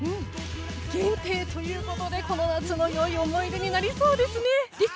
限定ということでこの夏のいい思い出になりそうだね！